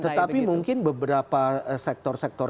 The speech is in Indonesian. tetapi mungkin beberapa sektor sektor